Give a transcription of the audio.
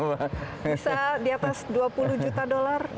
bisa di atas dua puluh juta dolar